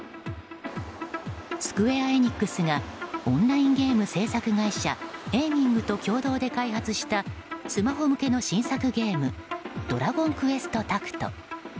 スクウェア・エニックスがオンラインゲーム制作会社Ａｉｍｉｎｇと共同で開発したスマホ向けの新作ゲーム「ドラゴンクエストタクト」。